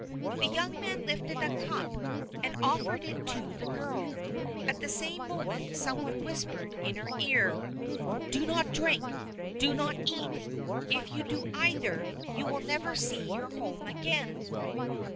The young man lifted a cup, and offered it to the girl; at the same moment some one whispered in her ear: "Do not drink! Do not eat! If you do either, you will never see your home again!"